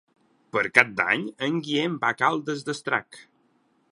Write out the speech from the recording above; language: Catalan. Per Cap d'Any en Guillem va a Caldes d'Estrac.